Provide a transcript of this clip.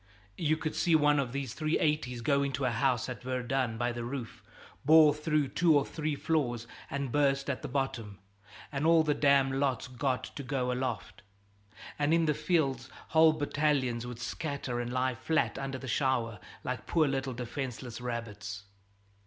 You could see one of these 380's go into a house at Verdun by the roof, bore through two or three floors, and burst at the bottom, and all the damn lot's got to go aloft; and in the fields whole battalions would scatter and lie flat under the shower like poor little defenseless rabbits.